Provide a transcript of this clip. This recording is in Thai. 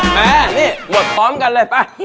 แม่นี่หมดพร้อมกันเลยป่ะ